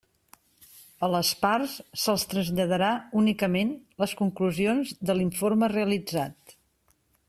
A les parts se'ls traslladarà únicament les conclusions de l'informe realitzat.